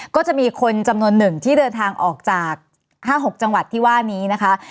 ก็จะมีคนจำนวนหนึ่งที่เดินทางออกจาก๕๖จังหวัดที่ว่านี้นะคะ